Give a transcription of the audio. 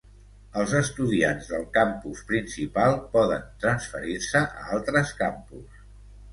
Els estudiants del Campus Principal poden transferir-se a altres campus.